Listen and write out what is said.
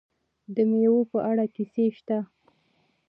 د میوو په اړه کیسې شته.